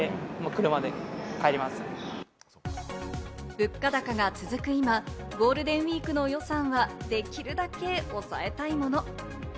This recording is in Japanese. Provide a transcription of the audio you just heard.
物価高が続く今、ゴールデンウイークの予算はできるだけ抑えたいもの。